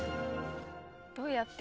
どうやって？